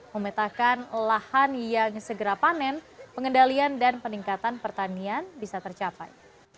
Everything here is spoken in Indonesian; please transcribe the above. memetakan lahan yang segera panen pengendalian dan peningkatan pertanian bisa tercapai